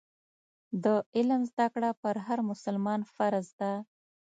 د علم زده کړه پر هر مسلمان فرض ده.